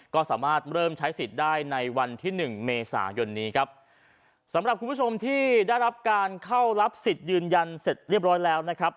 ก็สามารถเริ่มใช้สิทธิ์ได้ในวันที่หนึ่งเมษายนนี้ครับสำหรับคุณผู้ชมที่ได้รับการเข้ารับสิทธิ์ยืนยันเสร็จเรียบร้อยแล้วนะครับ